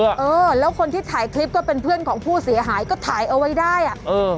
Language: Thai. เออแล้วคนที่ถ่ายคลิปก็เป็นเพื่อนของผู้เสียหายก็ถ่ายเอาไว้ได้อ่ะเออ